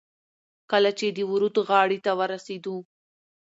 کله چې د ورد غاړې ته ورسېدو.